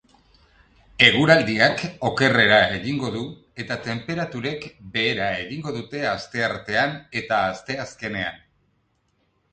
Eguraldiak okerrera egingo du eta tenperaturek behera egingo dute asteartean eta asteazkenean.